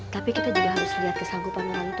tapi kita juga harus lihat kesanggupan orang tua